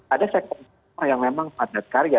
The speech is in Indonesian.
ada sektor yang memang padat karya